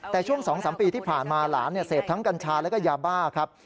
แต่ช่วง๒๓ปีที่ผ่านมาหลานเสพทั้งกัญชาแล้วก็ยาบ้าครับ